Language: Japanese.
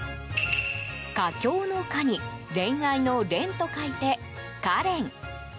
佳境の「佳」に恋愛の「恋」と書いてカレン。